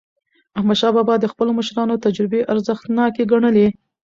احمدشاه بابا د خپلو مشرانو تجربې ارزښتناکې ګڼلې.